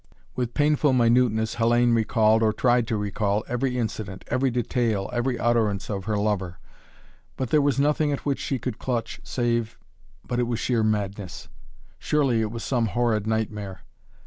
With painful minuteness Hellayne recalled, or tried to recall, every incident, every detail, every utterance of her lover. But there was nothing at which she could clutch save but it was sheer madness. Surely it was some horrid nightmare.